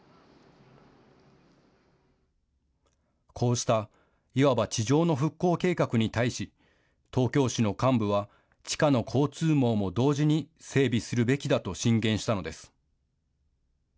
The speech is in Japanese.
こうしたいわば地上の復興計画に対し、東京市の幹部は、地下の交通網も同時に整備するべきだと進言したのです。